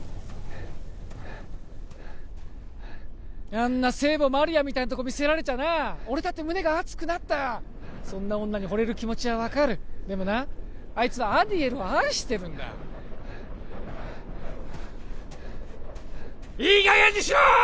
あんな聖母マリアみたいなとこ見せられちゃな俺だって胸が熱くなったそんな女にほれる気持ちは分かるでもなあいつはアディエルを愛してるんだいい加減にしろ！